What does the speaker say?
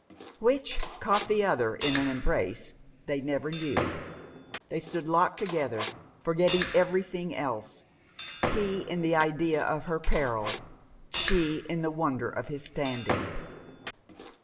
Which caught the other in an embrace they never knew. They stood locked together, forgetting everything else, he in the idea of her peril, she in the wonder of his standing.